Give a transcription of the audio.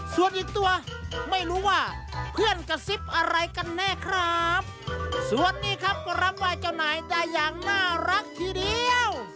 ส่วนอีกตัวไม่รู้ว่าเพื่อนกระซิบอะไรกันแน่ครับส่วนนี้ครับก็รำไหว้เจ้านายได้อย่างน่ารักทีเดียว